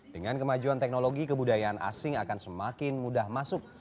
dengan kemajuan teknologi kebudayaan asing akan semakin mudah masuk